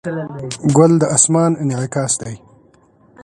ګل د اسمان انعکاس دی.